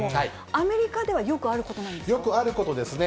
アメリカではよくあるよくあることですね。